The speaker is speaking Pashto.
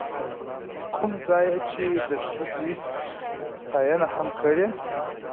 کوم ځاى يې چې د ښځې ستاينه هم کړې،،